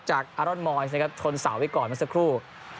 จากอารอนมอยซ์นะครับทนเสาร์ไว้ก่อนมาสักครู่